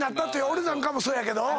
俺なんかもそうやけど。